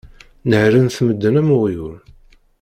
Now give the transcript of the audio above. Nehhren-t medden am uɣyul.